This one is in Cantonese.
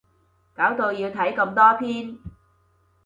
搞到要睇咁多篇